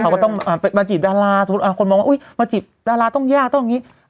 เขาก็ต้องมาจีบดาราสมมุติคนมองว่าอุ๊ยมาจีบดาราต้องยากต้องอย่างนี้